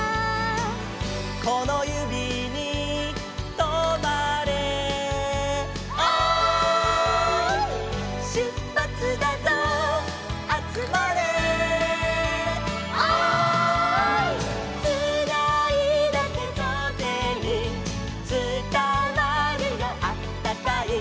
「このゆびにとまれ」「おーい」「しゅっぱつだぞあつまれ」「おーい」「つないだてとてにつたわるよあったかい」